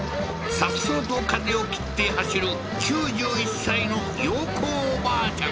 さっそうと風を切って走る９１歳の洋子おばあちゃん